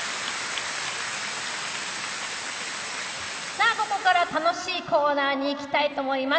さあここから楽しいコーナーにいきたいと思います。